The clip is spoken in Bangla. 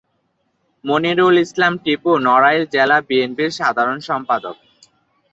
মনিরুল ইসলাম টিপু নড়াইল জেলা বিএনপির সাধারণ সম্পাদক।